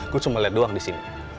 gue cuma liat doang disini